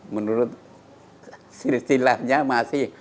menurut silsilahnya masih